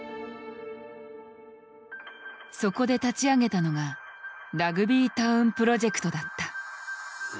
そこで立ち上げたのがラグビータウンプロジェクトだった。